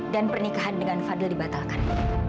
dan pernikahan dengan fadl dibatalkan